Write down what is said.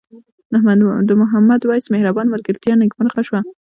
د محمد وېس مهربان ملګرتیا نیکمرغه شوه.